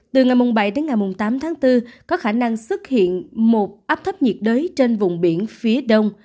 từ ngày bảy đến ngày tám tháng bốn có khả năng xuất hiện một áp thấp nhiệt đới trên vùng biển phía đông